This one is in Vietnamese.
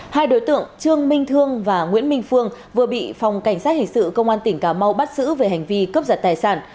hai đối tượng trương minh thương và nguyễn minh phương vừa bị phòng cảnh sát hình sự công an tỉnh cà mau bắt giữ về hành vi cướp giật tài sản